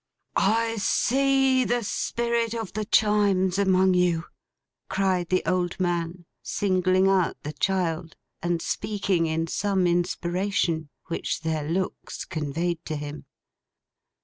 'I see the Spirit of the Chimes among you!' cried the old man, singling out the child, and speaking in some inspiration, which their looks conveyed to him.